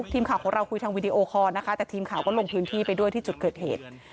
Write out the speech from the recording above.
ทีมข่าวก็ลงพื้นที่ไปด้วยที่จุดเกิดเหตุ